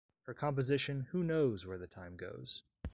Her composition Who Knows Where the Time Goes?